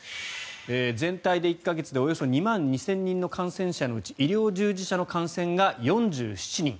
全体で１か月で、およそ２万２０００人の感染者のうち医療従事者の感染が４７人。